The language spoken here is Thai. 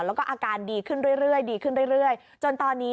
แล้วก็อาการดีขึ้นเรื่อยจนตอนนี้